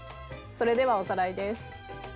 それではおさらいです。